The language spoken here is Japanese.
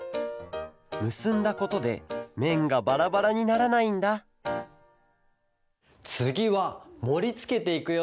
むすんだことでめんがバラバラにならないんだつぎはもりつけていくよ。